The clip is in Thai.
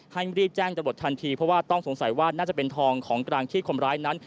รีบแจ้งตำรวจทันทีเพราะว่าต้องสงสัยว่าน่าจะเป็นทองของกลางที่คนร้ายนั้น